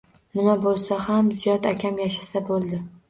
Nima boʻlsa ham Ziyod akam yashasa boʻldi